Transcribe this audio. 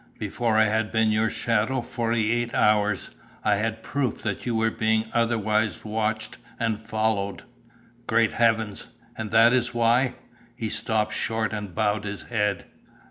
Before I had been your shadow forty eight hours, I had proof that you were being otherwise watched and followed." "Great heavens! And that is why " He stopped short and bowed his head.